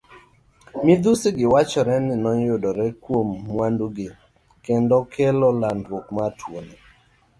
Midhusigi wachore ni neyudore kuom mwandugi kendo kelo landruok mar tuoni.